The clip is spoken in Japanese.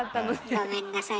ごめんなさい。